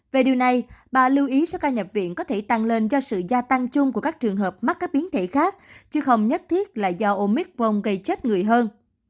về điều này bà lưu ý số ca nhập viện có thể tăng lên do sự gia tăng chung của các trường hợp mắc các biến thể khác chứ không nhất thiết là do omic prong gây chết người hơn